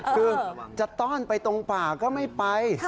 คือจะต้อนไปตรงป่าก็ไม่ไป